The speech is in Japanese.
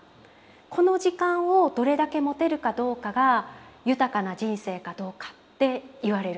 この時間をどれだけ持てるかどうかが豊かな人生かどうかって言われるんです。